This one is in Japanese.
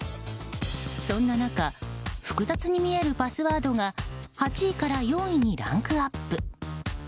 そんな中、複雑に見えるパスワードが８位から４位にランクアップ。